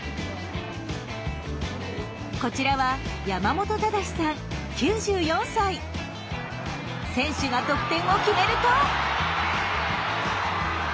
こちらは選手が得点を決めると。